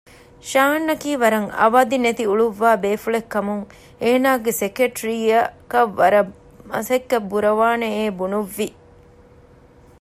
ޝާން އަކީ ވަރަށް އަވަދި ނެތި އުޅުއްވާ ބޭފުޅެއް ކަމުން އޭނާގެ ސެކެޓްރީއަކަށް ވަރަށް މަސައްކަތް ބުރަވާނެއޭ ބުނުއްވި